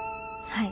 はい。